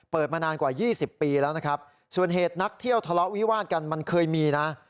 มานานกว่า๒๐ปีแล้วนะครับส่วนเหตุนักเที่ยวทะเลาะวิวาดกันมันเคยมีนะ